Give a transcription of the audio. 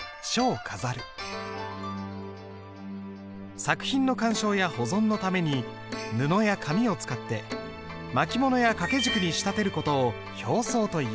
作品の鑑賞や保存のために布や紙を使って巻物や掛軸に仕立てる事を表装という。